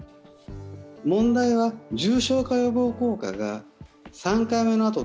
問題は、重症化予防効果が３回目のあと